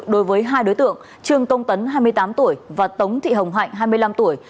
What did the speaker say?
đối với hai đối tượng trương công tấn hai mươi tám tuổi và tống thị hồng hạnh hai mươi năm tuổi